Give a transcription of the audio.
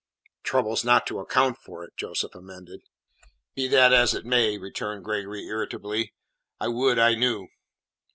"Troubles not to account for it," Joseph amended. "Be that as it may," returned Gregory irritably, "I would I knew."